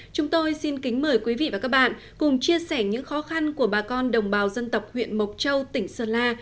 chúng tôi xin kính mời quý vị và các bạn cùng chia sẻ những khó khăn của bà con đồng bào dân tộc huyện mộc châu tỉnh sơn la